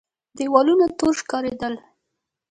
دېوالونه تور ښکارېدل.